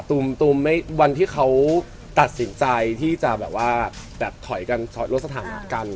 ตูมวันที่เขาตัดสินใจที่จะแบบว่าแบบถอยกันลดสถานะกัน